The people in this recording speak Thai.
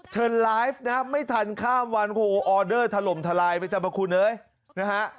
เธอลายฟ์นะครับไม่ทันข้ามวันออเดอร์ทลมทลายไม่จำอภาคุณนะฮะ